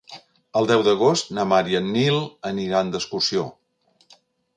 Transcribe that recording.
El deu d'agost na Mar i en Nil aniran d'excursió.